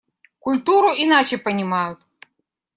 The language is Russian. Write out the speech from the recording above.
Культуру иначе понимают.